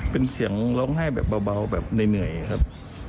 เป็นเสียงร้องไห้แบบเบาแบบเหนื่อยครับ